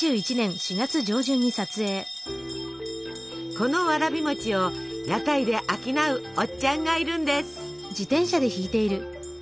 このわらび餅を屋台で商うおっちゃんがいるんです。